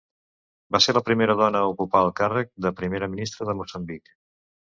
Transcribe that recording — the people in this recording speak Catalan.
Va ser la primera dona a ocupar el càrrec de Primera Ministra de Moçambic.